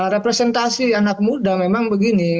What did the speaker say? representasi anak muda memang begini